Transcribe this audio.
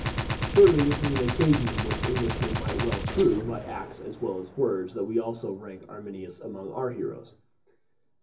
] Surely this is an occasion in which Englishmen might well prove, by acts as well as words, that we also rank Arminius among our heroes.